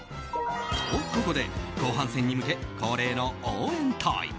と、ここで後半戦に向け恒例の応援タイム！